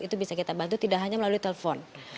itu bisa kita bantu tidak hanya melalui telepon